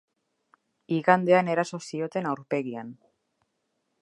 Igandean eraso zioten aurpegian.